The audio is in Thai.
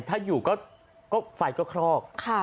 ถ้าอยู่ก็ไฟก็คลอก